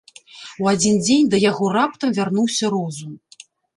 У адзін дзень да яго раптам вярнуўся розум.